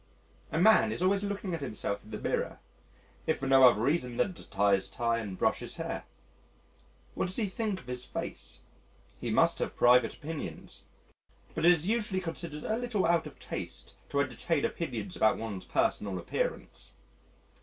A man is always looking at himself in the mirror if for no other reason than to tie his tie and brush his hair. What does he think of his face? He must have private opinions. But it is usually considered a little out of taste to entertain opinions about one's personal appearance.